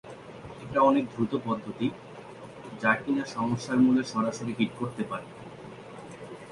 এটা অনেক দ্রুত পদ্ধতি, যা কিনা সমস্যার মূলে সরাসরি হিট করতে পারে।